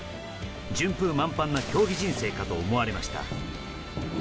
順風満帆な競技人生かと思われました。